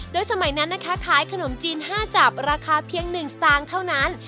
สมัยนั้นนะคะขายขนมจีน๕จับราคาเพียง๑สตางค์เท่านั้น